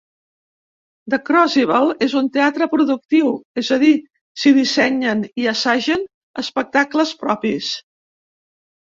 The Crucible és un teatre productiu, és a dir, s'hi dissenyen i assagen espectacles propis.